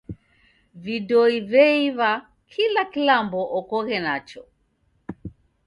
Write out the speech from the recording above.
Vidoi veiw'a kila kilambo okoghe nacho.